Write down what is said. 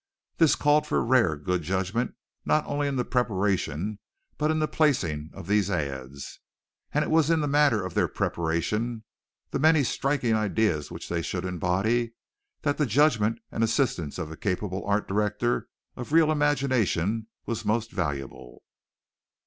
This called for rare good judgment not only in the preparation, but in the placing of these ads, and it was in the matter of their preparation the many striking ideas which they should embody that the judgment and assistance of a capable art director of real imagination was most valuable.